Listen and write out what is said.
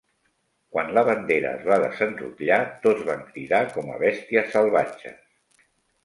Quan la bandera es va desenrotllar, tots van cridar com a bèsties salvatges.